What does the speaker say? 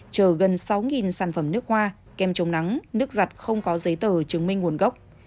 chờ gần sáu sản phẩm nước hoa kem chống nắng nước giặt không có giấy tờ chứng minh nguồn gốc